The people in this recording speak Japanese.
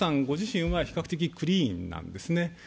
ご自身は比較的クリーンなんですね。